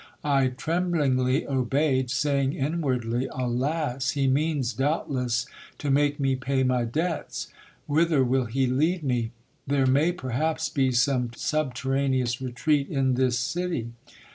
I tremblingly obeyed, saying inwardly : Alas ! he means, doubtless, to make me pay my debts ! Whither will he lead nie? There may, perhaps, be some subterraneous retreat in this city.